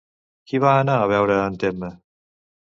Qui va anar a veure a en Temme?